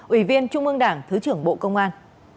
ủy viên trung ương đảng thứ trưởng bộ công an